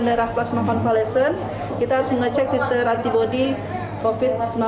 pada daerah plasma convalescent kita harus mengecek titel antibodi covid sembilan belas nya